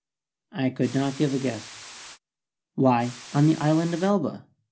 I could not give a guess. "Why, on the island of Elba.